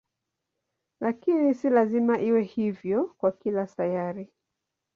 Lakini si lazima iwe hivyo kwa kila sayari.